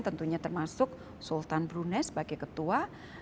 tentunya termasuk sultan brunei sebagai ketua